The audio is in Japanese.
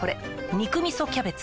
「肉みそキャベツ」